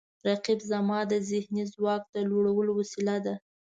رقیب زما د ذهني ځواک د لوړولو وسیله ده